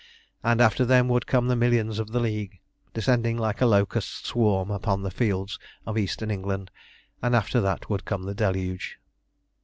And after them would come the millions of the League, descending like a locust swarm upon the fields of eastern England; and after that would come the deluge.